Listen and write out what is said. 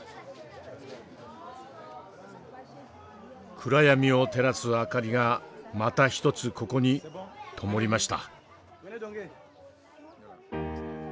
暗闇を照らす明かりがまた一つここにともりました。